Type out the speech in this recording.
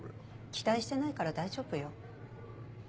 期待してないから大丈夫よ。